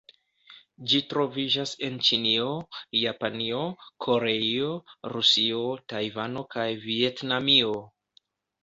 Ĝi troviĝas en Ĉinio, Japanio, Koreio, Rusio, Tajvano kaj Vjetnamio.